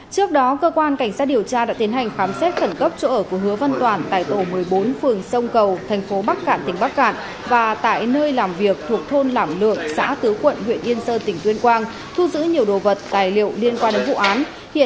trước đó cơ quan cảnh sát điều tra công an tỉnh lào cai đã đưa hối lộ cho mình